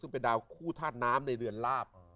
ซึ่งเป็นดาวคู่ท่าน้ำก็รือยาจะมาในเรือนลาบ